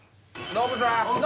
ノブさん。